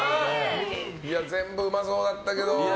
全部、うまそうだったけど。